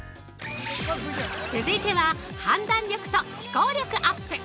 ◆続いては判断力と思考力アップ！